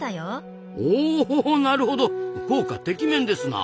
おなるほど効果てきめんですな。